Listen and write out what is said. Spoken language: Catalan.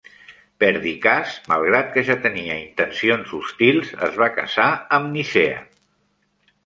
Perdiccas, malgrat que ja tenia intencions hostils, es va casar amb Nicea.